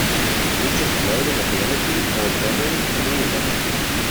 It features a melding of reality, false memory, and real memory.